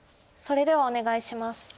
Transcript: それではお願いします。